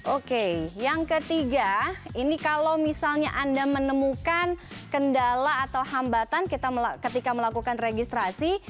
oke yang ketiga ini kalau misalnya anda menemukan kendala atau hambatan ketika melakukan registrasi